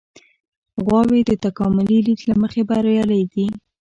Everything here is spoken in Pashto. غواوې د تکاملي لید له مخې بریالۍ دي.